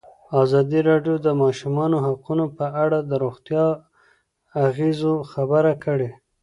ازادي راډیو د د ماشومانو حقونه په اړه د روغتیایي اغېزو خبره کړې.